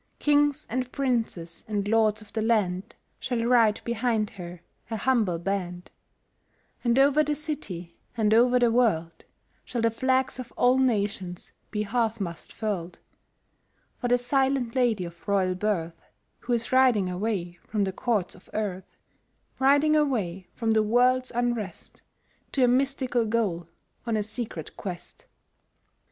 Kings and Princes and Lords of the land Shall ride behind her, a humble band; And over the city and over the world Shall the Flags of all Nations be half mast furled, For the silent lady of royal birth Who is riding away from the Courts of earth, Riding away from the world's unrest To a mystical goal, on a secret quest.